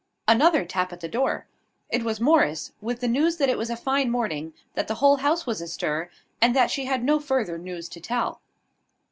Another tap at the door. It was Morris, with the news that it was a fine morning, that the whole house was astir, and that she had no further news to tell.